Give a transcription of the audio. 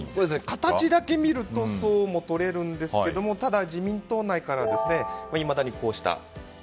形だけ見るとそうとも取れるんですがただ、自民党内からはいまだに、こうした声。